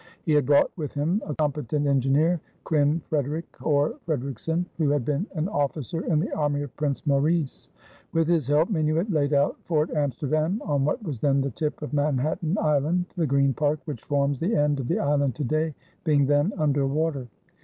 He had brought with him a competent engineer, Kryn Frederycke, or Fredericksen, who had been an officer in the army of Prince Maurice. With his help Minuit laid out Fort Amsterdam on what was then the tip of Manhattan Island, the green park which forms the end of the island today being then under water.